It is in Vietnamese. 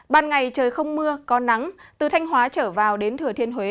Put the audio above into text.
ban ngày trời không mưa có nắng từ thanh hóa trở vào đến thừa thiên huế